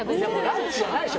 ランチじゃないでしょ